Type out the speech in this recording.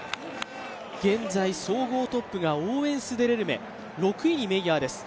現在、総合トップがオーウェンス・デレルメ、６位にメイヤーです。